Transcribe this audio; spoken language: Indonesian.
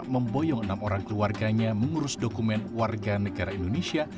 memboyong enam orang keluarganya mengurus dokumen warga negara indonesia